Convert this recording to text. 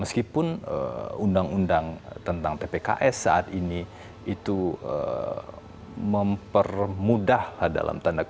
meskipun undang undang tentang tpks saat ini itu mempermudah dalam tanda kutip